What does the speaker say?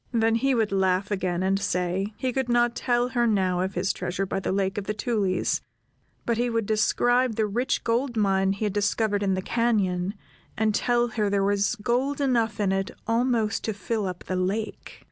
Then he would laugh again, and say, he could not tell her now of his treasure by the Lake of the Tulies, but he would describe the rich gold mine he had discovered in the cañon, and tell her there was gold enough in it almost to fill up the lake.